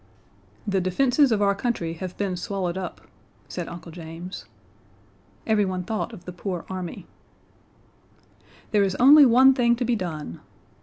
"The defenses of our country have been swallowed up," said Uncle James. Everyone thought of the poor army. "There is only one thing to be done."